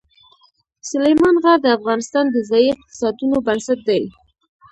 سلیمان غر د افغانستان د ځایي اقتصادونو بنسټ دی.